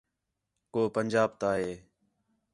کُو پنجاب تا ہے